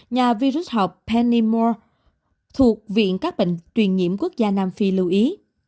nhà vi rút học penny moore thuộc viện các bệnh truyền nhiễm quốc gia nam phi lưu ý